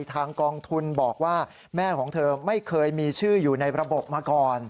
ทางกองทุนบอกว่าแม่ของเธอไม่เคยมีชื่ออยู่ในระบบมาก่อน